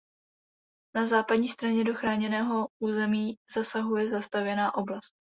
Na západní straně do chráněného území zasahuje zastavěná oblast.